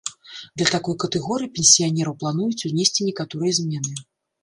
Для такой катэгорыі пенсіянераў плануюць унесці некаторыя змены.